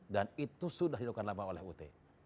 dan itu sudah dilakukan lama oleh ut